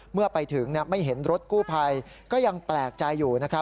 เมื่อไปถึงไม่เห็นรถกู้ภัยก็ยังแปลกใจอยู่